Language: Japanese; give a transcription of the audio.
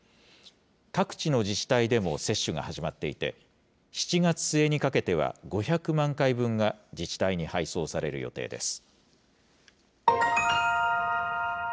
各地の自治体でも接種が始まっていて、７月末にかけては５００万回分が自治体に配送される予定です。